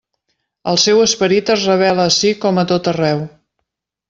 El seu esperit es revela ací com a tot arreu.